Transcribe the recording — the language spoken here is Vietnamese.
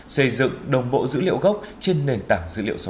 xây dựng đồng bộ dữ liệu gốc trên nền tảng dữ liệu số